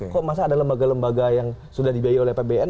kok masa ada lembaga lembaga yang sudah dibiayai oleh apbn